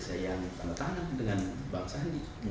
saya ikut tangan tangan dengan bang sandi